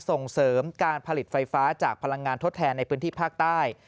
ส่งเสริมการผลิตไฟฟ้าจากพลังงานทดแทนในพื้นที่ภาคใต้